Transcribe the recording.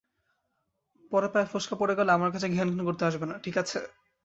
পরে পায়ে ফোসকা পড়ে গেলে আমার কাছে ঘ্যানঘ্যান করতে আসবে না, ঠিক আছে?